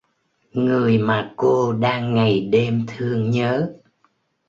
Người mà cô đang ngày đêm thương nhớ